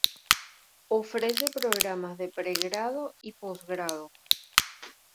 Ofrece programas de pregrado y posgrado.